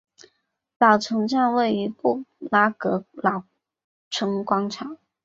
老城站位于布拉格老城广场。